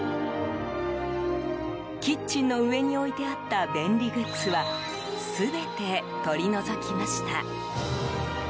キッチンの上に置いてあった便利グッズは全て取り除きました。